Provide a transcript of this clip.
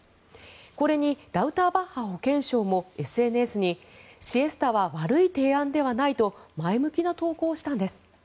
これにラウターバッハ保健相もＳＮＳにシエスタは悪い提案ではないと前向きな投稿をしたんです。